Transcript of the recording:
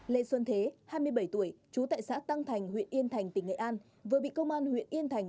lê xuân thế hai mươi bảy tuổi trú tại xã tăng thành huyện yên thành tỉnh nghệ an vừa bị công an huyện yên thành